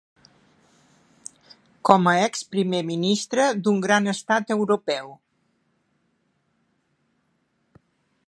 Com a exprimer ministre d’un gran estat europeu.